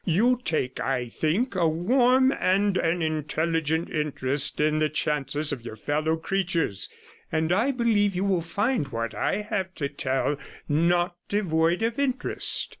You take, I think, a warm and an intelligent interest in the chances of your fellow creatures, and I believe you will find what I have to tell not devoid of interest.'